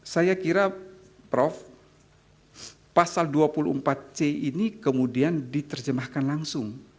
saya kira prof pasal dua puluh empat c ini kemudian diterjemahkan langsung